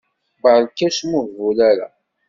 Berka, ur smuhbul ara.